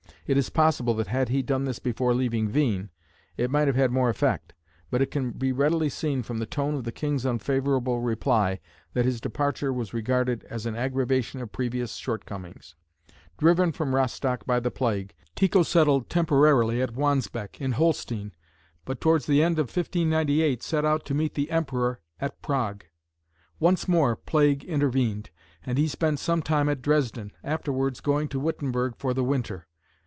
It is possible that had he done this before leaving Hveen it might have had more effect, but it can be readily seen from the tone of the king's unfavourable reply that his departure was regarded as an aggravation of previous shortcomings. Driven from Rostock by the plague, Tycho settled temporarily at Wandsbeck, in Holstein, but towards the end of 1598 set out to meet the Emperor at Prague. Once more plague intervened and he spent some time at Dresden, afterwards going to Wittenberg for the winter.